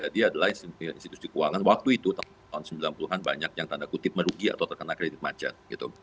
jadi adalah institusi keuangan waktu itu tahun sembilan puluh an banyak yang tanda kutip merugi atau terkena kredit macet